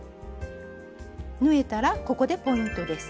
縫えたらここでポイントです。